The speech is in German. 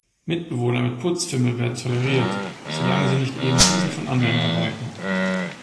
Mitbewohner mit Putzfimmel werden toleriert, solange sie nicht eben diesen von anderen erwarten.